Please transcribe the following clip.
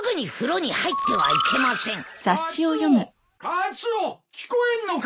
カツオ聞こえんのか！